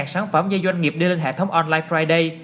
sản phẩm do doanh nghiệp đưa lên hệ thống online friday